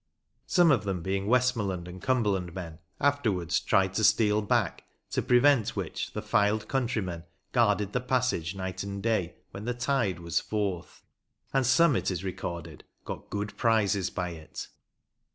Some of them, being Westmorland and Cumberland men, afterwards tried to 62 MEMORIALS OF OLD LANCASHIRE steal back, to prevent which the Fylde countrymen guarded the passage night and day when the tide was " forth," and some, it is recorded, " got good prizes by it."